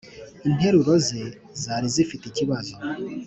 Interuro ze zari zifite ikibazo